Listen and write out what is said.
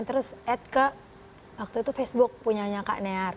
terus add ke waktu itu facebook punya kak near